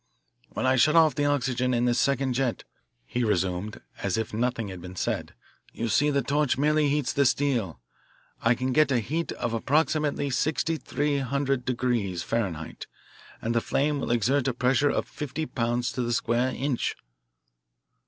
"When I shut off the oxygen in this second jet," he resumed as if nothing had been said, "you see the torch merely heats the steel. I can get a heat of approximately sixty three hundred degrees Fahrenheit, and the flame will exert a pressure of fifty pounds to the square inch."